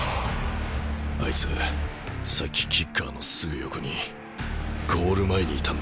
あいつさっきキッカーのすぐ横にゴール前にいたんだ。